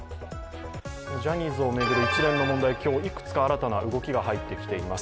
ジャニーズを巡る一連の問題、今日いくつか新たな動きが出てきています。